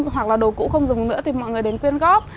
hoặc là đồ cũ không dùng nữa thì mọi người đến quyên góp